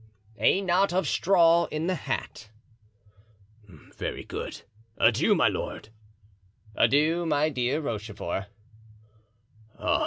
"A knot of straw in the hat." "Very good. Adieu, my lord." "Adieu, my dear Rochefort."